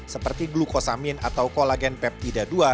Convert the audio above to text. seperti glukosamin atau kolagen peptida dua